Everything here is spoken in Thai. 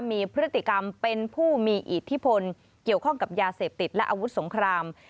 มีพฤติกรรมเป็นผู้มีอิทธิพลเกี่ยวข้องกับยาเสพติดและอาวุธสงคราม